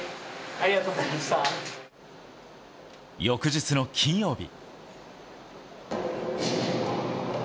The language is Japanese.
翌日の金曜日。